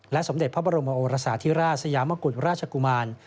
สมเด็จพระบรมโอรสาธิราชสยามกุฎราชกุมาร